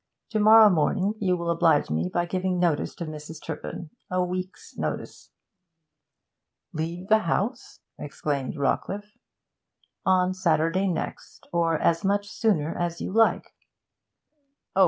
To morrow morning you will oblige me by giving notice to Mrs. Turpin a week's notice.' 'Leave the house?' exclaimed Rawcliffe. 'On Saturday next or as much sooner as you like.' 'Oh!